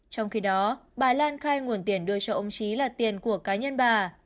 trong khi đó bà lan khai nguồn tiền đưa cho ông trí là tiền của cá nhân bà